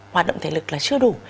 hoạt động thể lực là chưa đủ